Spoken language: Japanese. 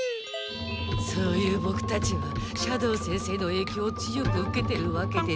そういうボクたちは斜堂先生の影響を強く受けてるわけですけど。